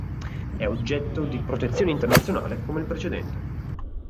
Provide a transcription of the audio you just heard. È oggetto di protezione internazionale come il precedente.